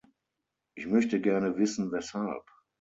Ich möchte gerne wissen, weshalb.